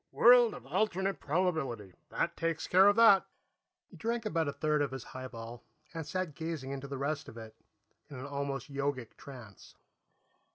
"World of alternate probability. That takes care of that." He drank about a third of his highball and sat gazing into the rest of it, in an almost yogic trance.